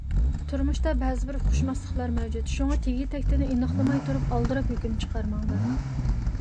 تۇرمۇشتا بەزىبىر ئۇقۇشماسلىقلار مەۋجۇت، شۇڭا تېگى-تەكتىنى ئېنىقلىماي تۇرۇپ ئالدىراپ ھۆكۈم چىقارماڭلار.